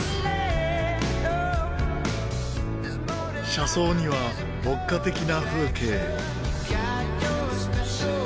車窓には牧歌的な風景。